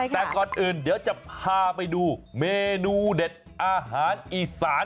แต่ก่อนอื่นเดี๋ยวจะพาไปดูเมนูเด็ดอาหารอีสาน